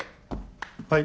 はい。